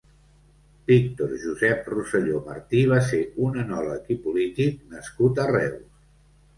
Víctor Josep Roselló Martí va ser un enòleg i polític nascut a Reus.